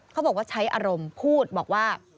เขาบอกว่าใช้อารมณ์พูดบอกว่า